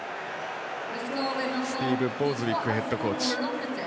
スティーブ・ボーズウィックヘッドコーチ。